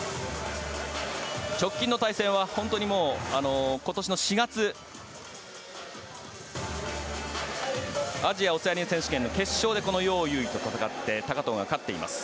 直近の対戦は今年の４月アジア・オセアニア選手権の決勝でヨウ・ユウイと戦って高藤が勝っています。